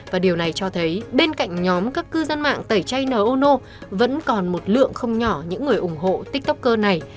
và điều này cho thấy bên cạnh nhóm các cư dân mạng tẩy chay nô ô nô vẫn còn một lượng không nhỏ những người ủng hộ tiktoker này